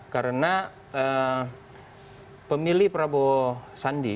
karena pemilih prabowo sandi